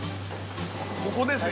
◆ここです。